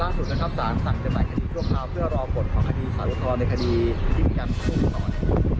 ล่าสุดนะครับศาสตร์สั่งจัดให้คดีด้วยคราวเพื่อรอบทของคดีขุมธรในคดีที่พิกันกว้างนั้น